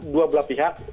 dua belah pihak